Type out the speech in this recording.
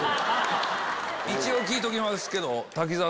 一応聞いときますけど。